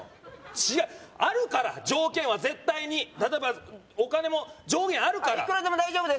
違うあるから条件は絶対に例えばお金も上限あるからいくらでも大丈夫です